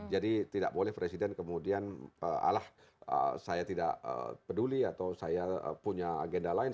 jadi tidak boleh presiden kemudian alah saya tidak peduli atau saya punya agenda lain